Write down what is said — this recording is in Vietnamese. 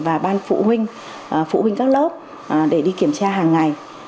và ban phụ huynh phụ huynh các lớp để đi kiểm tra hàng ngày